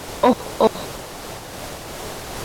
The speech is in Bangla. ওহ, ওহ!